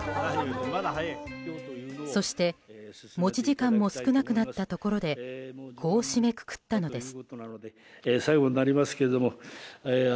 そして持ち時間も少なくなったところでこう締めくくったのです。